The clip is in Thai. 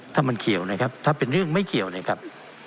ถ้ามันเกี่ยวนะครับถ้าเป็นเรื่องไม่เกี่ยวนะครับ